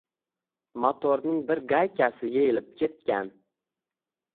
motorning bir gaykasi yeyilib ketgan